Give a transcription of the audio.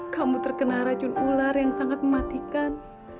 kamu terkena racun ular yang sangat mematikan